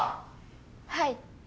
はい。